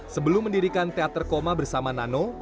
sebelum mendirikan teater koma bersama nano